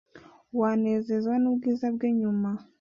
wazanezezwa n’ubwiza bwe nyuma